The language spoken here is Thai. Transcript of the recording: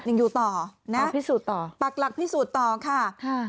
ยังอยู่ต่อนะพิสูจน์ต่อปักหลักพิสูจน์ต่อค่ะอ่า